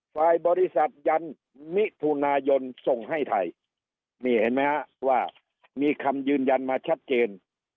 ฝ่ายบริษัทยันมิถุนายนส่งให้ไทยนี่เห็นไหมฮะว่ามีคำยืนยันมาชัดเจน